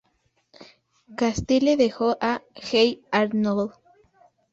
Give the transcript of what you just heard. Castile dejó a "Hey Arnold!